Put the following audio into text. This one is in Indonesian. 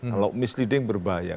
kalau misleading berbahaya